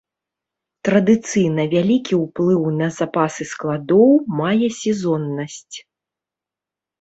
Традыцыйна вялікі ўплыў на запасы складоў мае сезоннасць.